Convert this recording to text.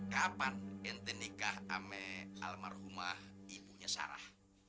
kapan yang nikah sama almarhumah ibunya sarah